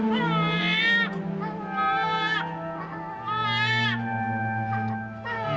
aku mohon kamu cepat sadar